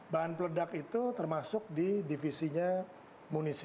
bahan peledak itu termasuk di divisinya munisi